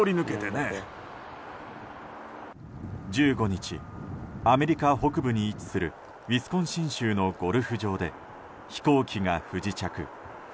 １５日アメリカ北部に位置するウィスコンシン州のゴルフ場で飛行機が不時着。